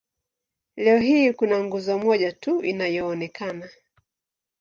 Leo hii kuna nguzo moja tu inayoonekana.